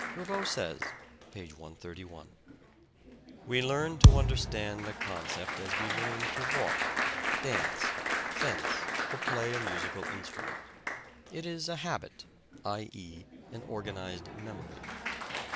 Ribot says (p. 131): "We learn to understand a concept as we learn to walk, dance, fence or play a musical instrument: it is a habit, i.e. an organized memory.